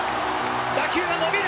打球が伸びる！